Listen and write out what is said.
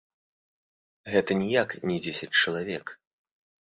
Гэта ніяк не дзесяць чалавек.